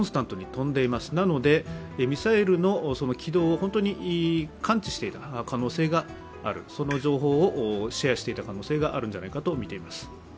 飛んでいます、なので、ミサイルの軌道を本当に感知していた可能性がある、その情報をシェアしていた可能性があるんじゃないかとみています。